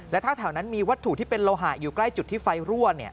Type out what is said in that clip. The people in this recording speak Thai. และถ้าแถวนั้นมีวัตถุที่เป็นโลหะอยู่ใกล้จุดที่ไฟรั่ว